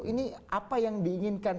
ini apa yang diinginkan